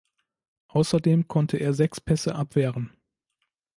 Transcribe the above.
Außerdem konnte er sechs Pässe abwehren.